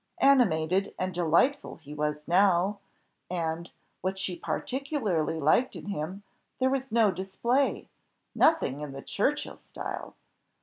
Animated and delightful he was now, and, what she particularly liked in him, there was no display nothing in the Churchill style.